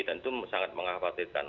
dan itu sangat mengkhawatirkan